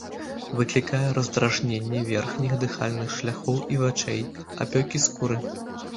Выклікае раздражненне верхніх дыхальных шляхоў і вачэй, апёкі скуры.